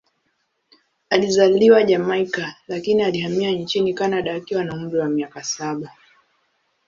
Alizaliwa Jamaika, lakini alihamia nchini Kanada akiwa na umri wa miaka saba.